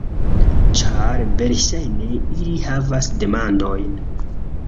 Ĉar versaĵne ili havas demandojn